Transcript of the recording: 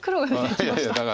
いやいやだから。